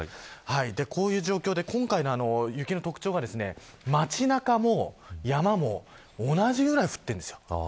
こういう状況で今回の雪の特徴が街中も山も同じぐらい降っているんです。